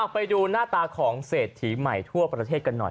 ไปดูหน้าตาของเศรษฐีใหม่ทั่วประเทศกันหน่อย